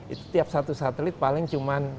itu tiap satu satelit paling cuma